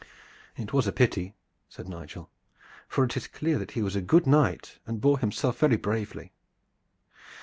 "It was a pity," said Nigel; "for it is clear that he was a good knight and bore himself very bravely."